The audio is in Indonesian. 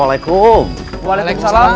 oh untuk nyetuh